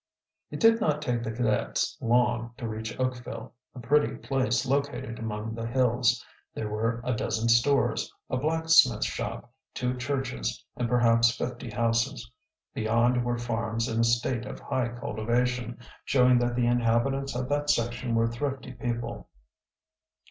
It did not take the cadets long to reach Oakville, a pretty place located among the hills. There were a dozen stores, a blacksmith shop, two churches, and perhaps fifty houses. Beyond were farms in a state of high cultivation, showing that the inhabitants of that section were thrifty people.